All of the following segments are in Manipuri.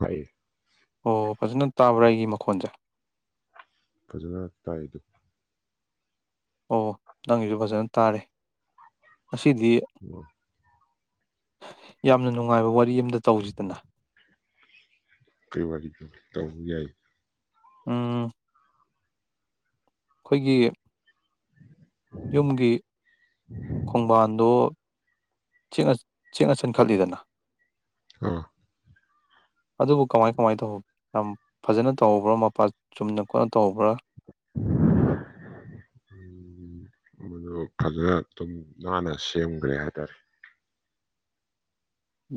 ꯍꯥꯏ ꯑꯣ ꯐꯖꯅ ꯇꯥꯕ꯭ꯔꯥ ꯑꯩꯒꯤ ꯃꯈꯣꯟꯁꯦ ꯐꯖꯅ ꯇꯥꯏ ꯑꯗꯨ ꯑꯣ ꯅꯪꯒꯤꯁꯨ ꯐꯖꯅ ꯇꯥꯔꯦ ꯑꯁꯤꯗꯤ ꯑꯣ ꯌꯥꯝꯅ ꯅꯨꯡꯉꯥꯏꯕ ꯋꯥꯔꯤ ꯑꯃꯝꯇ ꯇꯧꯁꯤꯗꯅ ꯀꯩꯃꯔꯤꯎꯕ ꯌꯥꯏ ꯎꯝ ꯑꯩꯈꯣꯏꯒꯤ ꯌꯨꯝꯒꯤ ꯈꯣꯡꯕꯥꯟꯗꯣ ꯆꯦꯡꯉ ꯆꯟ ꯈꯂꯤꯗꯅ ꯑꯥ ꯑꯗꯨꯕꯨ ꯀꯃꯥꯏ ꯀꯃꯥꯏꯅ ꯇꯧ ꯌꯥꯝ ꯐꯖꯅ ꯇꯧꯧꯕ꯭ꯔꯥ ꯃꯄꯥ ꯆꯨꯝꯅ ꯈꯣꯠꯅ ꯇꯧꯧꯕ꯭ꯔꯥ [inaudible] ꯎꯝ, ꯃꯗꯨ ꯐꯖꯅ ꯑꯗꯨꯨꯝ ꯅꯥꯟꯅ ꯁꯦꯝꯈ꯭ꯔꯦ ꯍꯥꯏꯇꯥꯔꯦ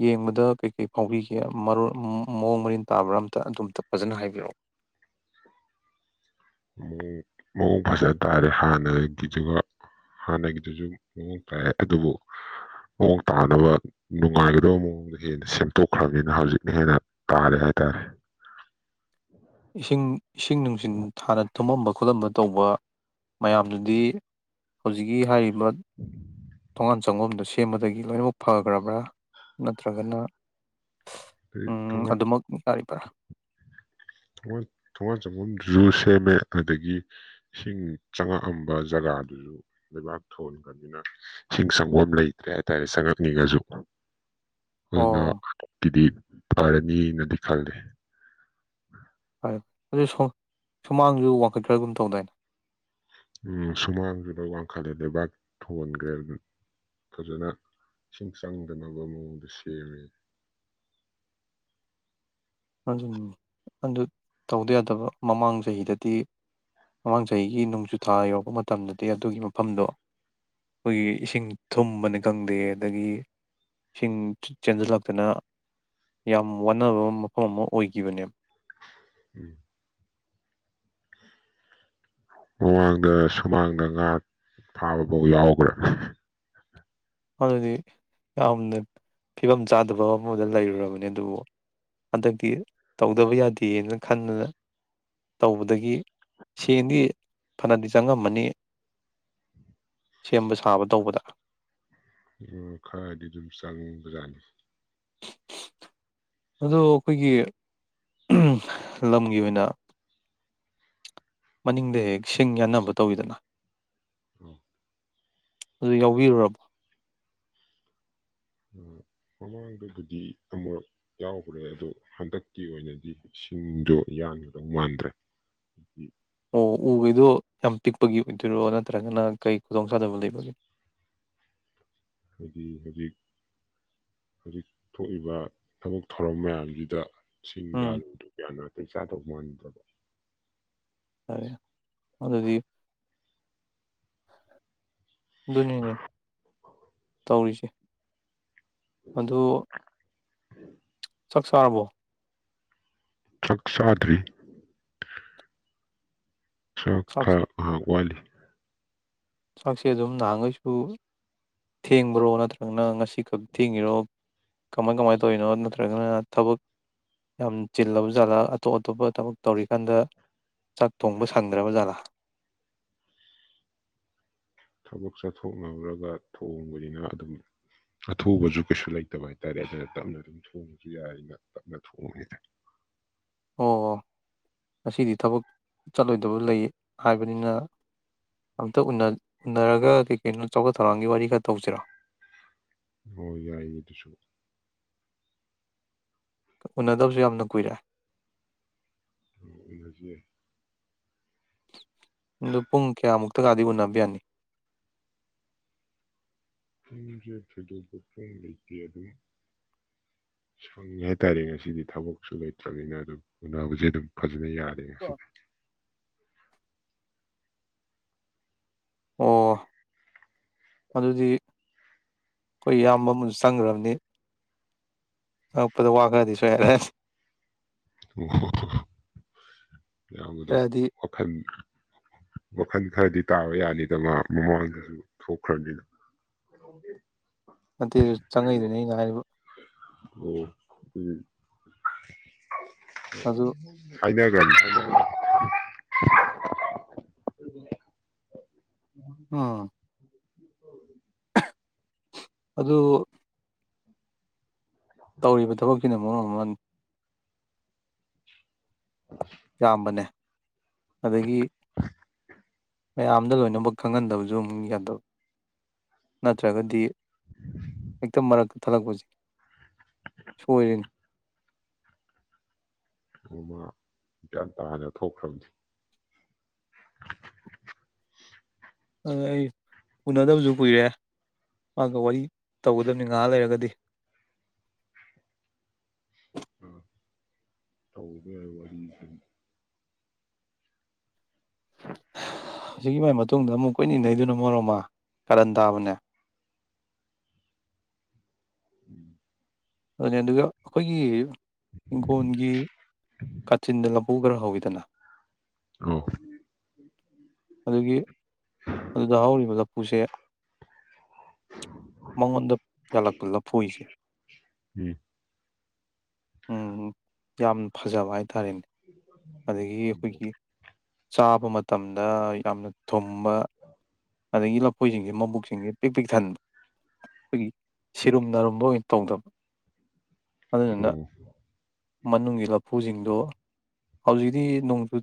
ꯌꯦꯡꯕꯗ ꯀꯩꯀꯩ ꯐꯥꯎꯕꯤꯒꯦ ꯃꯑꯣꯡ ꯃꯔꯤꯟ ꯇꯥꯕ꯭ꯔꯥ ꯑꯝꯇ ꯑꯗꯨꯝꯇ ꯐꯖꯅ ꯍꯥꯏꯕꯤꯔꯛꯑꯣ ꯃꯑꯣꯡ ꯐꯖꯅ ꯇꯥꯔꯦ ꯍꯥꯟꯅꯒꯤꯗꯨꯒ ꯍꯥꯟꯅꯒꯤꯗꯨꯁꯨ ꯃꯑꯣꯡ ꯇꯥꯏ ꯑꯗꯨꯕꯨ ꯃꯑꯣꯡ ꯇꯥꯅꯕ ꯅꯨꯡꯉꯥꯏꯒꯗꯕ ꯃꯑꯣꯡꯗ ꯍꯦꯟꯅ ꯁꯦꯝꯗꯣꯛꯈ꯭ꯔꯕꯅꯤꯅ ꯍꯧꯖꯤꯛꯅ ꯍꯦꯟꯅ ꯇꯥꯂꯦ ꯍꯥꯏꯥꯏꯇꯥꯔꯦ ꯏꯁꯤꯡ ꯏꯁꯤꯡ ꯅꯨꯡꯁꯤ ꯊꯥꯅ ꯊꯨꯝꯃꯝꯕ ꯈꯣꯠꯂꯝꯕ ꯇꯧꯕ ꯃꯌꯥꯝꯗꯨꯗꯤ ꯍꯧꯖꯤꯛꯀꯤ ꯍꯥꯏꯔꯤꯕ ꯊꯣꯉꯥꯟ ꯆꯪꯐꯝꯣꯝꯗ ꯁꯤ ꯁꯦꯝꯕꯗꯒꯤ ꯂꯣꯏꯅꯃꯛ ꯐꯈ꯭ꯔꯕ꯭ꯔꯥ ꯅꯠꯇ꯭ꯔꯒꯅ ꯑꯗꯩ ꯎꯝ ꯊꯣꯡꯒꯥꯟ ꯑꯗꯨꯃꯛ ꯌꯥꯔꯤꯕ꯭ꯔꯥ ꯊ ꯊꯣꯡꯉꯜ ꯆꯐꯝꯐꯝꯁꯨ ꯁꯦꯝꯃꯦ ꯑꯗꯨꯗꯒꯤ ꯏꯁꯤꯡ ꯆꯪꯉꯛꯑꯝꯕ ꯖꯒꯥꯗꯨꯁꯨ ꯂꯩꯕꯥꯛ ꯊꯣꯟꯕꯅꯤꯅ ꯏꯁꯤꯡ ꯁꯪꯒꯣꯝ ꯂꯩꯇ꯭ꯔꯦ ꯍꯥꯏꯇꯥꯔꯦ ꯆꯪꯉꯛꯅꯤꯡꯉꯁꯨ ꯑꯗꯨꯅ ꯑꯣ ꯑꯛꯇꯤꯗꯤ ꯐꯔꯅꯤꯅꯗꯤ ꯈꯜꯂꯤ ꯐꯔꯦ ꯑꯗꯨ ꯁꯨꯃꯥꯡꯁꯨ ꯋꯥꯡꯈꯠ ꯈꯔꯒꯨꯝ ꯇꯧꯗꯣꯏꯅ ꯎꯝ ꯁꯨꯃꯥꯡꯗꯨꯗ ꯋꯥꯡꯈꯜꯂꯦ ꯂꯩꯕꯥꯛ ꯊꯟꯒ꯭ꯔꯦ ꯐꯖꯅ ꯏꯁꯤꯡ ꯆꯪꯗꯅꯕ ꯃꯑꯣꯡꯗ ꯁꯦꯝꯃꯦ ꯑꯗꯨꯝ ꯑꯗꯨ ꯇꯧꯗ ꯌꯥꯗꯕ ꯃꯃꯥꯡ ꯆꯍꯤꯗꯗꯤ ꯃꯃꯥꯡ ꯆꯍꯤꯒꯤ ꯅꯣꯡꯖꯨꯊꯥ ꯌꯧꯔꯛꯄ ꯃꯇꯝꯗꯗꯤ ꯑꯗꯨꯒꯤ ꯃꯐꯝꯗꯣ ꯑꯩꯈꯣꯏꯒꯤ ꯏꯁꯤꯡ ꯊꯨꯝꯕꯅꯤ ꯈꯪꯗꯦ ꯑꯗꯒꯤ ꯏꯁꯤꯡ ꯆꯦꯟꯁꯤꯜꯂꯛꯇꯅ ꯌꯥꯝ ꯋꯥꯅꯕ ꯃꯐꯝ ꯑꯃ ꯑꯣꯏꯈꯤꯕꯅꯦ ꯎꯝ [inaudible] ꯃꯃꯥꯡꯗ ꯁꯨꯃꯥꯡꯗ ꯉꯥ ꯐꯥꯕ ꯐꯥꯎ ꯌꯥꯎꯈ꯭ꯔꯦ ꯑꯗꯨꯗꯤ ꯌꯥꯝꯅ ꯐꯤꯕꯝ ꯆꯥꯗꯕ ꯑꯃꯗ ꯂꯩꯔꯨꯔꯕꯅꯤ ꯑꯗꯨꯕꯨ ꯍꯟꯗꯛꯇꯤ ꯇꯧꯗꯕ ꯌꯥꯗꯦꯅ ꯈꯟꯗꯅ ꯇꯧꯕꯗꯒꯤ ꯁꯦꯟꯗꯤ ꯐꯅꯗꯤ ꯆꯪꯉꯝꯃꯅꯤ ꯁꯦꯝꯕ ꯁꯥꯕ ꯇꯧꯕꯗ ꯑꯣ ꯈꯔꯗꯤ ꯑꯗꯨꯝ ꯆꯪꯕꯖꯥꯠꯅꯤ ꯑꯗꯣ ꯑꯩꯈꯣꯏꯒꯤ ꯂꯝꯒꯤ ꯑꯣꯏꯅ ꯃꯅꯤꯡꯗ ꯍꯦꯛ ꯁꯤꯡ ꯌꯥꯟꯅꯕ ꯇꯧꯋꯤꯗꯅ [inaudible] ꯑꯗꯨ ꯌꯥꯎꯕꯤꯔꯨꯔꯕꯣ ꯃꯃꯥꯡꯗꯗꯨꯗꯤ ꯑꯃꯨꯛ ꯌꯥꯎꯈ꯭ꯔꯦ ꯑꯗꯨ ꯍꯟꯗꯛꯀꯤ ꯑꯣꯏꯅꯗꯤ ꯏꯁꯤꯡꯗꯣ ꯌꯥꯟꯕꯗꯧ ꯃꯥꯟꯗ꯭ꯔꯦ ꯎꯝ ꯑꯣ ꯎꯕꯩꯗꯣ ꯌꯥꯝ ꯄꯤꯛꯄꯒꯤ ꯑꯣꯏꯗꯣꯏꯔꯣ ꯅꯠꯇ꯭ꯔꯒꯅ ꯀꯩ ꯈꯨꯗꯣꯡ ꯆꯗꯕ ꯂꯩꯕꯒꯦ ꯑꯩꯈꯣꯏꯒꯤ ꯍꯧꯖꯤꯛ ꯍꯧꯖꯤꯛ ꯊꯣꯛꯏꯕ ꯊꯕꯛ ꯊꯧꯔꯝ ꯃꯌꯥꯝꯁꯤꯗ ꯎꯝ ꯁꯤꯡꯒꯥꯂꯨꯗꯨ ꯀꯌꯥꯅ ꯅꯥꯇꯩ ꯆꯥꯗꯕ ꯃꯥꯟꯗꯕ ꯐꯔꯦ ꯑꯗꯨꯗꯤ ꯑꯗꯨꯅꯦꯅꯦ ꯇꯧꯔꯤꯁꯦ ꯑꯗꯨ ꯎꯝ ꯆꯥꯛ ꯆꯥꯔꯕꯣ ꯆꯥꯛ ꯆꯥꯗ꯭ꯔꯤ ꯆꯥꯛ ꯆꯥꯛꯁꯤ ꯈꯔ ꯉꯍꯥꯛ ꯋꯥꯠꯂꯤ ꯆꯥꯛꯁꯦ ꯑꯗꯨꯝ ꯅꯍꯥꯟꯈꯩꯁꯨ ꯊꯦꯡꯕ꯭ꯔꯣ ꯅꯠꯇ꯭ꯔꯒꯅ ꯉꯁꯤꯈꯛ ꯊꯦꯡꯉꯤꯔꯣ ꯀꯃꯥꯏ ꯀꯃꯥꯏꯅ ꯇꯧꯔꯤꯅꯣ ꯅꯠꯇ꯭ꯔꯒꯅ ꯊꯕꯛ ꯌꯥꯝ ꯆꯤꯜꯂꯕ ꯖꯥꯠꯂꯥ ꯑꯇꯣꯞ ꯑꯇꯣꯞꯄ ꯊꯕꯛ ꯇꯧꯔꯤꯀꯥꯟꯗ ꯆꯥꯛ ꯊꯣꯡꯕ ꯁꯟꯗ꯭ꯔꯕ ꯥꯠꯂꯥ ꯊꯕꯛ ꯆꯠꯊꯣꯛꯅꯨꯔꯒ ꯊꯣꯡꯕꯅꯤꯅ ꯑꯗꯨꯝ ꯑꯊꯨꯕꯁꯨ ꯀꯩꯁꯨ ꯂꯩꯇꯕ ꯍꯥꯏꯇꯥꯔꯦ ꯑꯗꯨꯅ ꯇꯞꯅ ꯑꯗꯨꯝ ꯊꯣꯡꯕꯁꯨ ꯌꯥꯔꯤꯅ ꯇꯞꯅ ꯊꯣꯡꯉꯉꯦꯗ ꯑꯣ ꯑꯣ ꯉꯁꯤꯗꯤ ꯊꯕꯛ ꯆꯠꯂꯣꯏꯗꯕ ꯂꯩ ꯍꯥꯏꯕꯅꯤꯅ ꯑꯝꯇ ꯎꯅꯔꯒ ꯀꯩ ꯀꯩꯅꯅꯣ ꯆꯥꯎꯈꯠ ꯊꯧꯔꯥꯡꯒꯤ ꯋꯥꯔꯤ ꯈꯔ ꯇꯧꯁꯤꯔꯣ ꯑꯣ ꯌꯥꯏꯌꯦ ꯑꯗꯨꯁꯨ ꯎꯅꯗꯕꯁꯨ ꯌꯥꯝꯅ ꯀꯨꯏꯔꯦ ꯎꯅꯒꯤ ꯑꯗꯨ ꯄꯨꯡ ꯀꯌꯥꯃꯨꯛꯇꯒꯗꯤ ꯎꯟꯅꯕ ꯌꯥꯅꯤ ꯁꯦ ꯊꯗ ꯀꯝ ꯂꯩꯇꯦ ꯑꯗꯨꯝ ꯁꯪꯉꯦ ꯍꯥꯏꯇꯥꯔꯦ ꯉꯁꯤꯗꯤ ꯊꯕꯛꯁꯨ ꯂꯩꯇ꯭ꯔꯕꯅꯤꯅ ꯑꯗꯨꯝ ꯎꯣꯅꯕꯁꯦ ꯑꯗꯨꯝ ꯐꯖꯅ ꯌꯥꯔꯦ ꯉꯁꯤꯗꯤ ꯑꯣ ꯃꯗꯨꯗꯤ ꯑꯩꯈꯣꯏ ꯏꯌꯥꯝꯕ ꯑꯃꯁꯨ ꯆꯪꯈ꯭ꯔꯕꯅꯤ ꯑꯪꯉꯛꯄꯗ ꯋꯥ ꯈꯔꯗꯤ ꯁꯣꯏꯔꯁꯦ ꯑꯣ ꯌꯥꯎꯕꯗꯨ ꯍꯥꯏꯔꯛꯑꯗꯤ ꯃꯈꯜ ꯋꯥꯈꯜ ꯈꯔꯗꯤ ꯇꯥꯕ ꯌꯥꯅꯤꯗ ꯃꯥ ꯃꯃꯥꯡꯗꯁꯨ ꯊꯣꯛꯈ꯭ꯔꯕꯅꯤꯅ ꯑꯇꯩꯗꯨ ꯆꯪꯉꯏꯗꯨꯅꯤ ꯑꯩꯅ ꯍꯥꯏꯔꯤꯕ ꯑꯣ ꯎꯝ ꯑꯗꯨ ꯐꯗꯔꯒ ꯎꯝ ꯑꯗꯨ ꯇꯧꯔꯤꯕ ꯊꯕꯛꯁꯤꯅ ꯃꯔꯝ ꯑꯃꯅꯤ [unintelligible] ꯌꯥꯝꯕꯅꯦ ꯑꯗꯒꯤ ꯃꯌꯥꯝꯗ ꯂꯣꯏꯅꯃꯛ ꯈꯪꯍꯟꯗꯕꯁꯨ ꯑꯃꯨꯛ ꯌꯥꯗꯕ ꯅꯠꯇ꯭ꯔꯒꯗꯤ ꯍꯦꯛꯇ ꯃꯔꯛꯇ ꯊꯜꯂꯛꯄꯁꯦ ꯁꯣꯏꯔꯤꯅꯤ ꯃ ꯒ꯭ꯌꯥꯟ ꯇꯥꯅ ꯊꯣꯛꯈ꯭ꯔꯕꯅꯤ ꯑꯗꯨ ꯑꯩ ꯎꯅꯗꯕꯁꯨ ꯀꯨꯏꯔꯦ ꯃꯥꯒ ꯋꯥꯔꯤ ꯇꯧꯒꯗꯕꯅꯤ ꯉꯥꯏꯍꯥꯛ ꯂꯩꯔꯒꯗꯤ ꯑ ꯇꯧꯕꯧꯕ ꯌꯥ ꯋꯥꯔꯤ ꯑꯗꯨꯝ ꯍꯧꯖꯤꯛꯀꯤ ꯃꯥꯏ ꯃꯇꯨꯡꯗ ꯑꯃꯨꯛ ꯀꯨꯏꯅꯤꯡꯟꯅꯩꯗꯨꯅ ꯃꯣꯔꯣꯃ ꯀꯥꯔꯟ ꯇꯥꯕꯅꯦ ꯎꯝ ꯑꯗꯨꯅꯦ ꯑꯗꯨꯒ ꯑꯩꯈꯣꯏꯒꯤ ꯍꯤꯡꯈꯣꯟꯒꯤ ꯀꯥꯆꯤꯟꯗ ꯂꯕꯨꯨ ꯈꯔ ꯍꯧꯋꯤꯗꯅ ꯑꯣ ꯑꯗꯒꯤ ꯑꯗꯨꯗ ꯍꯧꯔꯤꯕ ꯂꯐꯨꯁꯦ ꯃꯉꯣꯟꯗ ꯌꯥꯜꯂꯛꯄ ꯂꯐꯨꯁꯦ ꯎꯝ ꯌꯥꯝ ꯐꯖꯕ ꯍꯥꯏꯇꯥꯔꯦꯅꯦ [unintelligible] ꯑꯗꯒꯤ ꯑꯩꯈꯣꯏꯒꯤ ꯆꯥꯕ ꯃꯇꯝꯗ ꯌꯥꯝꯅ ꯊꯨꯝꯕ ꯑꯗꯒꯤ ꯂꯐꯣꯏꯁꯤꯡꯁꯦ ꯃꯕꯨꯛꯁꯤꯡꯁꯦ ꯄꯤꯛ ꯄꯤꯛ ꯊꯟꯕ ꯑꯩꯈꯣꯏꯒꯤ ꯁꯤꯔꯨꯝ ꯅꯥꯔꯨꯝꯕ ꯑꯣꯏꯅ ꯇꯧꯗꯕ ꯑꯗꯨꯗꯨꯅ ꯃꯅꯨꯡꯒꯤ ꯂꯐꯨꯁꯤꯡꯗꯣ ꯍꯧꯖꯤꯛꯇꯤ ꯅꯣꯡꯖꯨ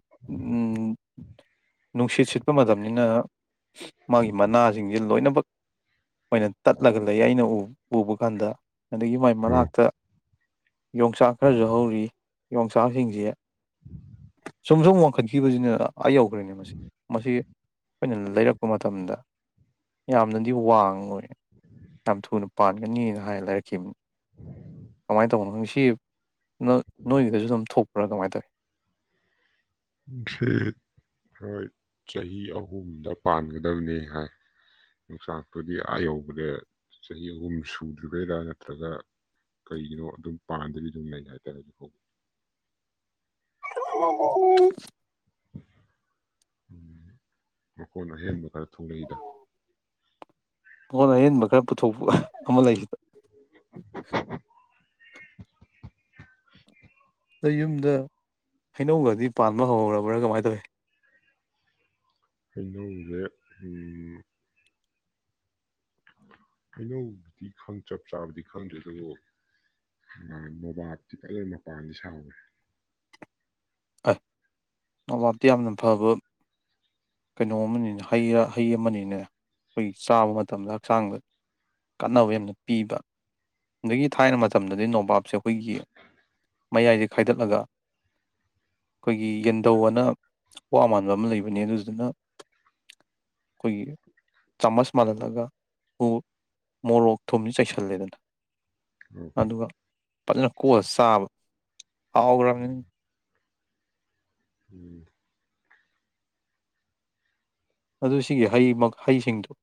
ꯅꯨꯡꯁꯤꯠ ꯁꯤꯠꯄ ꯃꯇꯝꯅꯤꯅ ꯃꯥꯒꯤ ꯃꯅꯥꯁꯤꯡꯁꯦ ꯂꯣꯏꯅꯃꯛ ꯑꯣꯏꯅ ꯇꯠꯂꯒ ꯂꯩ ꯑꯩꯅ ꯎꯕ ꯀꯥꯟꯗ ꯑꯗꯒꯤ ꯃꯥꯏ ꯃꯅꯥꯛꯇ ꯌꯣꯡꯆꯥꯛ ꯈꯔꯁꯨ ꯍꯧꯔꯤ ꯌꯣꯡꯆꯥꯛꯁꯤꯡꯁꯦ ꯁꯨꯝ ꯁꯨꯝ ꯋꯥꯡꯈꯠꯈꯤꯕꯁꯤꯅ ꯑꯩ ꯌꯧꯈ꯭ꯔꯦꯅꯦ ꯃꯁꯤ ꯃꯁꯤ ꯑꯩꯈꯣꯏꯅ ꯂꯩꯔꯛꯄ ꯃꯇꯝꯗ ꯌꯥꯝꯅꯗꯤ ꯋꯥꯡꯉꯣꯏ ꯌꯥꯝ ꯊꯨꯅ ꯄꯥꯟꯒꯅꯤꯅ ꯍꯥꯏꯅ ꯂꯩꯔꯛꯈꯤꯕꯅꯤ ꯀꯃꯥꯏꯅ ꯇꯧꯕꯅꯣꯁꯤ ꯅ ꯅꯣꯏꯒꯤꯗꯁꯨ ꯑꯗꯨꯝ ꯊꯣꯛꯄ꯭ꯔꯥ ꯀꯃꯥꯏꯅ ꯇꯧꯏꯤ ꯁꯤ ꯍꯣꯏ ꯆꯍꯤ ꯑꯍꯨꯝꯗ ꯄꯥꯟꯒꯗꯕꯅꯤ ꯍꯥꯏ ꯌꯣꯡꯆꯥꯛꯇꯨꯗꯤ ꯑꯥ ꯌꯧꯕꯗ ꯆꯍꯤ ꯑꯍꯨꯝ ꯁꯨꯗ꯭ꯔꯤꯔꯤꯕꯩꯔꯥ ꯅꯠꯇ꯭ꯔꯒ ꯀꯩꯒꯤꯅꯣ ꯑꯗꯨꯝ ꯄꯥꯗꯒꯤ ꯑꯗꯨꯝ ꯂꯩ ꯍꯥꯏꯇꯥꯔꯦ ꯑꯗꯨ ꯍꯧꯕꯤ ꯎꯝ ꯎꯝ ꯃꯈꯣꯟꯅ ꯑꯍꯦꯟꯕ ꯈꯔ ꯊꯨꯡꯂꯛꯏꯗ ꯃꯉꯣꯟ ꯑꯍꯦꯟꯕ ꯈꯔ ꯄꯨꯊꯣꯛꯄ ꯑꯃ ꯂꯩꯁꯤꯗ ꯑꯗ ꯌꯨꯝꯗ ꯍꯩꯅꯧꯒꯗꯤ ꯄꯥꯟꯕ ꯍꯧꯔꯕ꯭ꯔꯥ ꯀꯃꯥꯏꯅ ꯇꯧꯏꯤ ꯑꯩꯅꯧꯁꯦ ꯑꯩꯅꯧꯕꯨꯗꯤ ꯆꯞ ꯆꯥꯕꯗꯤ ꯈꯪꯗꯦ ꯑꯗꯨꯕꯨ ꯃꯣꯕꯥꯞꯇꯤ ꯐꯖꯅ ꯃꯄꯥꯟꯗꯤ ꯁꯥꯎꯋꯦ ꯑ ꯑꯕꯥꯇ ꯌꯥꯝꯅ ꯐꯕ ꯀꯩꯅꯣ ꯑꯃꯅꯤꯅꯦ ꯍꯩ ꯍꯩ ꯑꯃꯅꯤꯅꯦ ꯑꯩꯈꯣꯏ ꯆꯥꯕ ꯃꯇꯝꯗ ꯍꯛꯆꯥꯡꯗ ꯀꯥꯟꯅꯕ ꯌꯥꯝꯅ ꯄꯤꯕ ꯑꯗꯒꯤ ꯊꯥꯏꯅ ꯃꯇꯝꯗꯗꯤ ꯅꯣꯝꯕꯥꯞꯁꯦ ꯑꯩꯈꯣꯏꯒꯤ ꯃꯌꯥꯏꯁꯦ ꯈꯥꯏꯗꯠꯂꯒ ꯑꯩꯈꯣꯏꯒꯤ ꯌꯦꯟꯗꯧ ꯑꯅ ꯋꯥ ꯃꯥꯟꯕ ꯑꯃ ꯂꯩꯕꯅꯦ ꯑꯗꯨꯗꯨꯅ ꯑꯣꯈꯣꯏꯒꯤ ꯆꯥꯃꯁ ꯃꯥꯜꯍꯜꯂꯒ ꯎ ꯃꯣꯔꯣꯛ ꯊꯨꯝꯅ ꯆꯩꯁꯜꯂꯦꯗꯅ ꯑꯗꯨꯒ ꯐꯖꯅ ꯀꯣꯑꯂ ꯆꯥꯕ ꯍꯥꯎꯈ꯭ꯔꯕꯅꯤꯅ ꯎꯝ ꯑꯗꯨ ꯁꯤꯒꯤ ꯍꯩ ꯍꯩꯁꯤꯡꯗꯣ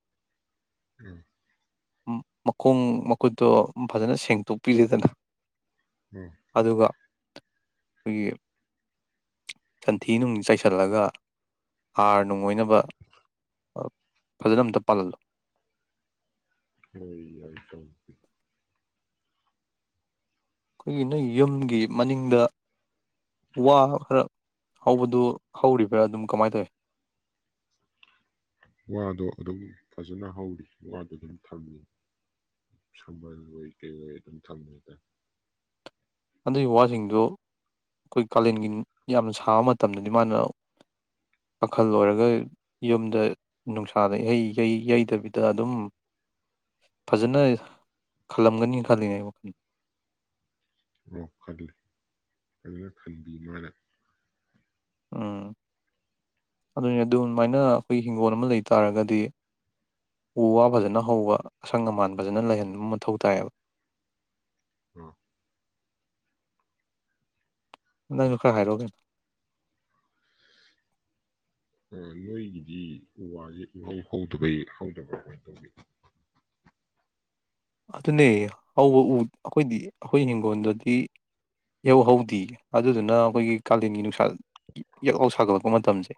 ꯎꯝ ꯃꯈꯣꯡ ꯃꯈꯨꯠꯇꯣ ꯐꯖꯅ ꯁꯦꯡꯗꯣꯛꯄꯤꯔꯦꯗꯅ ꯎꯝ ꯑꯗꯨꯒ ꯑꯩꯈꯣꯏꯒꯤ ꯁꯟꯊꯤ ꯅꯨꯡ ꯆꯥꯏꯁꯤꯜꯂꯒ ꯍꯥꯔ ꯅꯨꯡ ꯑꯣꯏꯅꯕ ꯐꯖꯅ ꯑꯝꯇ ꯄꯥꯜꯍꯜꯂꯨ ꯍ ꯑꯩꯈꯣꯏꯒꯤ ꯅꯣꯏ ꯌꯨꯝꯒꯤ ꯃꯅꯤꯡꯗ ꯋꯥ ꯈꯔ ꯍꯧꯕꯗꯨ ꯍꯧꯔꯤꯕ꯭ꯔꯥ ꯑꯗꯨꯝ ꯀꯃꯥꯏꯅ ꯇꯧꯏ ꯋꯥꯗꯣ ꯑꯗꯨꯝ ꯐꯖꯅ ꯍꯧꯔꯤ ꯋꯥꯗꯨ ꯑꯗꯨꯝ ꯊꯝꯃꯤ ꯁꯜ ꯑꯣꯏ ꯀ ꯑꯣꯏ ꯑꯗꯨꯝ ꯊꯝꯃꯦꯗ ꯑꯗꯨꯒꯤ ꯋꯥꯁꯤꯡꯗꯨ ꯑꯩꯈꯣꯏ ꯀꯥꯂꯦꯟꯒꯤ ꯌꯥꯝꯅ ꯁꯥꯕ ꯃꯇꯝꯗꯗꯤ ꯃꯥꯅ ꯄꯥꯈꯜ ꯑꯣꯏꯔꯒ ꯌꯨꯝꯗ ꯅꯨꯡꯁꯥꯗꯍꯩ ꯌꯩꯗꯕꯤꯗ ꯑꯗꯨꯝ ꯐꯖꯅ ꯈꯜꯂꯝꯒꯅꯤ ꯈꯜꯂꯤꯅꯦ ꯑꯩ ꯋꯥꯈꯜ ꯈꯜꯂꯤ ꯐꯖꯅ ꯈꯟꯕꯤ ꯃꯥꯅ ꯎꯝ ꯑꯗꯨꯅꯦ ꯑꯗꯨꯃꯥꯏꯅ ꯑꯩꯈꯣꯏ ꯍꯤꯡꯒꯣꯜ ꯑꯃ ꯂꯩ ꯇꯥꯔꯒꯗꯤ ꯎ ꯋꯥ ꯐꯖꯅ ꯍꯧꯕ ꯑꯁꯪ ꯑꯃꯥꯟ ꯐꯖꯅ ꯂꯩꯍꯟꯕ ꯃꯊꯧ ꯇꯥꯏꯌꯦꯕ ꯑ ꯅꯪꯁꯨ ꯈꯔ ꯍꯥꯏꯔꯛꯑꯣꯅꯦ ꯅꯣꯏꯒꯤꯗꯤ ꯎ ꯋꯥꯁꯦ ꯎꯍꯧ ꯍꯧꯗꯕꯩ ꯍꯧꯗꯕ ꯀꯃꯥꯏꯅ ꯇꯧꯒꯦ ꯑꯗꯨꯅꯦ ꯍꯧꯕ ꯎ ꯑꯩꯈꯣꯏꯗꯤ ꯑꯩꯈꯣꯏ ꯍꯤꯡꯒꯣꯜꯗꯨꯗꯤ ꯏꯍꯧ ꯍꯧꯗ ꯑꯗꯨꯗꯨꯅ ꯑꯩꯈꯣꯏꯒꯤ ꯀꯥꯂꯦꯟꯒꯤ ꯅꯨꯡꯁꯥ ꯌꯦꯛꯍꯧ ꯁꯥꯒꯠꯂꯛꯄ ꯃꯇꯝꯁꯦ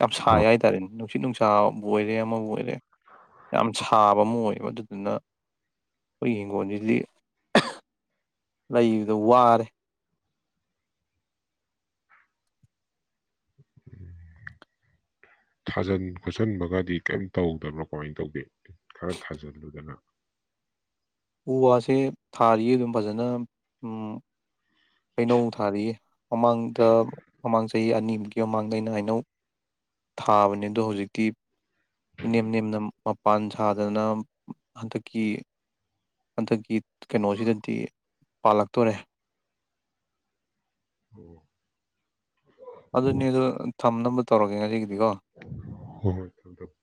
ꯌꯥꯝ ꯁꯥꯏ ꯑꯥ ꯍꯥꯏꯇꯥꯔꯦꯅꯦ ꯅꯨꯡꯁꯤꯠ ꯅꯨꯡꯁꯥꯕꯨ ꯑꯣꯏꯔꯦ ꯑꯃꯕꯨ ꯑꯣꯏꯔꯦ ꯌꯥꯝ ꯁꯥꯕ ꯑꯃ ꯑꯣꯏꯕ ꯑꯗꯨꯗꯨꯅ ꯑꯩꯈꯣꯏ ꯌꯤꯡꯒꯣꯟꯁꯤꯗꯤ ꯂꯩꯕꯗ ꯋꯥꯔꯦ ꯊꯥꯖꯟ ꯈꯣꯠꯆꯟꯕꯒꯗꯤ ꯀꯔꯤꯝ ꯇꯧꯗꯕ꯭ꯔꯣ ꯀꯃꯥꯏꯟ ꯇꯧꯗꯦ ꯈꯔ ꯊꯥꯖꯤꯜꯂꯨꯗꯅ ꯎ ꯋꯥꯁꯦ ꯊꯥꯔꯤꯌꯦ ꯑꯗꯨꯝ ꯐꯖꯅ ꯎꯝ ꯍꯩꯅꯧ ꯊꯥꯔꯤ ꯃꯃꯥꯡꯗ ꯃꯃꯥꯡ ꯆꯍꯤ ꯑꯅꯤꯃꯨꯛꯀꯤ ꯃꯃꯥꯡꯗ ꯑꯩꯅ ꯍꯩꯅꯧ ꯊꯥꯕꯅꯦ ꯑꯗꯣ ꯍꯧꯖꯤꯛꯇꯤ ꯏꯅꯦꯝ ꯅꯦꯝꯅ ꯃꯄꯥꯟ ꯁꯥꯗꯅ ꯍꯟꯗꯛꯀꯤ ꯍꯟꯗꯛꯀꯤ ꯀꯩꯅꯣꯖꯤꯗꯥꯗꯤ ꯄꯥꯜꯂꯛꯇꯣꯔꯦ ꯎꯝ ꯑꯗꯨꯅꯦ ꯑꯗꯣ ꯊꯝꯅꯕ ꯇꯧꯔꯒꯦ ꯉꯁꯤꯒꯤꯗꯤꯀꯣ ꯍꯣ ꯍꯣꯏ ꯊꯝꯃꯣ ꯊꯝꯃꯣ